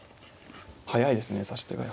速いですね指し手が。